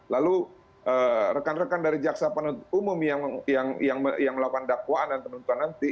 lalu rekan rekan dari jaksa penuntut umum yang melakukan dakwaan dan penuntutan nanti